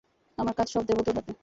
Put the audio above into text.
আমার কাজ সব দেব তোর হাতে।